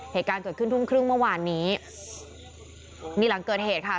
เหตุการณ์เกิดขึ้นทุ่มครึ่งเมื่อวานนี้นี่หลังเกิดเหตุค่ะ